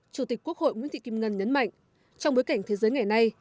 chủ tịch quốc hội nguyễn thị kim ngân nhấn mạnh trong bối cảnh thế giới ngày nay